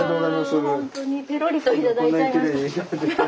本当にペロリと頂いちゃいました。